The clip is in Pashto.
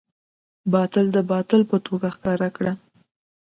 باطل د باطل په توګه راښکاره کړه.